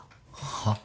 はっ？